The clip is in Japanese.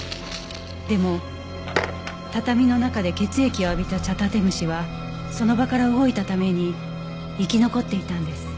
でも畳の中で血液を浴びたチャタテムシはその場から動いたために生き残っていたんです。